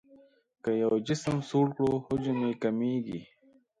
که یو جسم سوړ کړو حجم یې کمیږي.